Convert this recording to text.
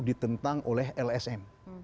ditentang oleh lsm